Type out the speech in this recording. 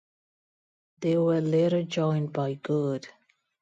They were later joined by Good.